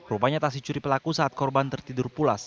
rupanya tak dicuri pelaku saat korban tertidur pulas